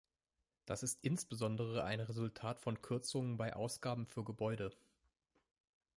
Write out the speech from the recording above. Das ist insbesondere ein Resultat von Kürzungen bei Ausgaben für Gebäude.